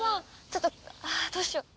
ちょっとああどうしよう。